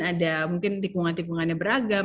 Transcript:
ada mungkin tikungan tikungannya beragam